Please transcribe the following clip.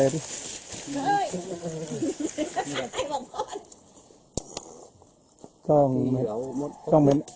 เหลืองเท้าอย่างนั้น